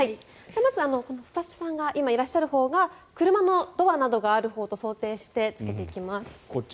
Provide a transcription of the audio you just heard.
まず、スタッフさんが今いらっしゃるほうが車のドアがあるほうと想定してつけていきます。